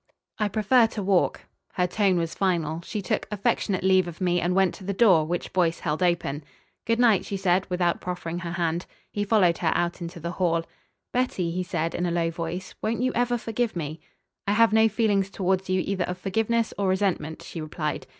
"I prefer to walk." Her tone was final. She took affectionate leave of me and went to the door, which Boyce held open. "Good night," she said, without proffering her hand. He followed her out into the hall. "Betty," he said in a low voice, "won't you ever forgive me?" "I have no feelings towards you either of forgiveness or resentment," she replied.